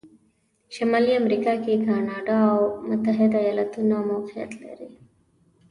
شمالي امریکا کې کانادا او متحتد ایالتونه موقعیت لري.